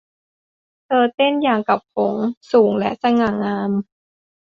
เธอเต้นอย่างกับหงส์ สูงและสง่างาม